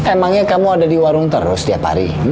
emangnya kamu ada di warung terus tiap hari